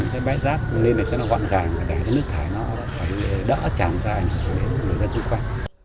để bãi rác lên để cho nó gọn gàng để nước thải nó sẽ đỡ tràn dài để người dân trung khỏe